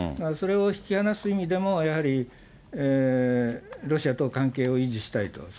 それを引き離す意味でも、やはり、ロシアと関係を維持したいと。